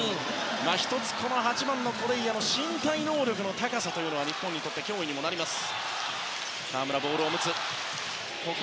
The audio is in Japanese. １つ、８番のコレイアの身体能力の高さは日本にとって脅威にもなります。